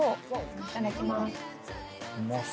いただきます。